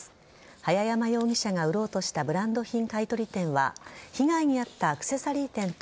早山容疑者が売ろうとしたブランド品買い取り店は被害に遭ったアクセサリー店と